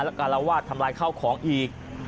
แล้วก็การละวาดทำร้ายข้าวของอีก